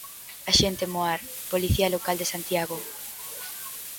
Axente Moar, Policía Local de Santiago.